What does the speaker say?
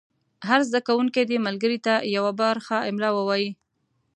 هر زده کوونکی دې ملګري ته یوه برخه املا ووایي.